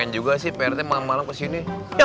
juga sih percaya malam ke sini